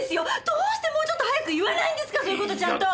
どうしてもうちょっと早く言わないんですかそういう事ちゃんと！